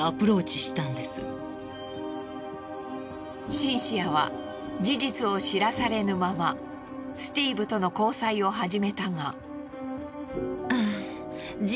シンシアは事実を知らされぬままスティーブとの交際を始めたが。